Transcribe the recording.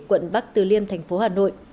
quận bắc từ liêm tp hà nội